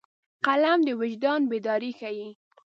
قلم د وجدان بیداري ښيي